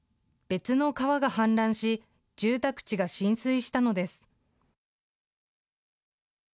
別の川が氾濫し、住宅地が浸水したのです。